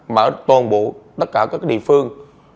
mà toàn bộ tất cả các địa phương